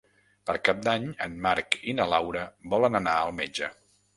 Per Cap d'Any en Marc i na Laura volen anar al metge.